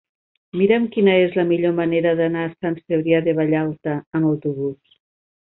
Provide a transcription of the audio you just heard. Mira'm quina és la millor manera d'anar a Sant Cebrià de Vallalta amb autobús.